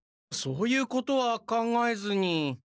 そういうことは考えずに。